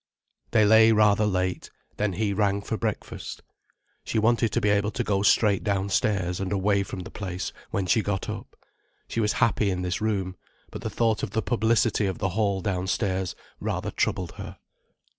They lay rather late, then he rang for breakfast. She wanted to be able to go straight downstairs and away from the place, when she got up. She was happy in this room, but the thought of the publicity of the hall downstairs rather troubled her.